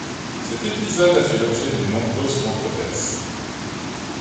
Cet épisode a fait l'objet de nombreuses controverses.